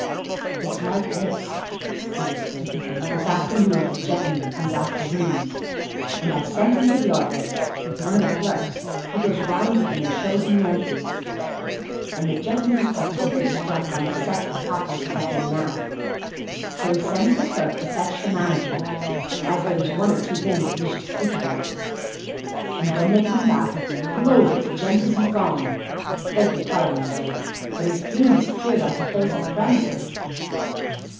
"It's like this," he whispered. "This afternoon a gen'leman comes arfter rooms, and I sent him to the orfice; one of the clurks, 'e goes round with 'im an' shows 'im the empties, an' the gen'leman's partic'ly struck on the set the coppers is up in now. So he sends the clurk to fetch the manager, as there was one or two things he wished to speak about; an' when they come back, blowed if the gent isn't gone! Beg yer pardon, sir, but he's clean disappeared off the face o' the premises!"